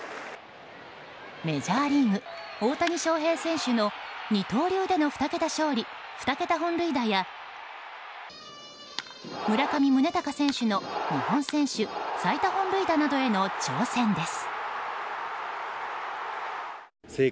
メジャーリーグ、大谷翔平選手の二刀流での２桁勝利２桁本塁打や村上宗隆選手の日本選手最多本塁打などへの挑戦です。